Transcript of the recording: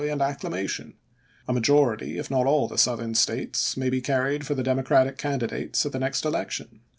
0' and acclamation. .. A majority, if not all, the "Life of rl.' Southern States, may be carried for the Democratic P. Chase " 'p. 584. ' candidates at the next election."